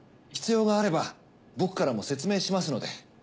必要があれば僕からも説明しますので。